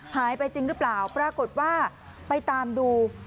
หายไปจริงหรือเปล่าปรากฏว่าไปตามดู